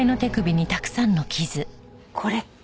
これって。